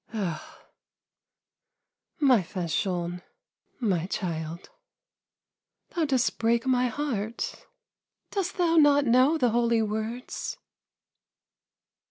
" Oh, my Fanchon, my child, thou dost break my heart ! Dost thou not know the holy words